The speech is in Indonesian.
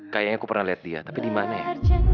kayaknya aku pernah lihat dia tapi dimana ya